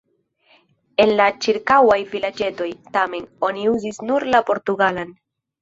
En la ĉirkaŭaj vilaĝetoj, tamen, oni uzis nur la portugalan.